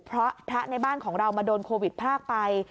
เพราะพระในบ้านของเรามาโดนโควิดพรากไป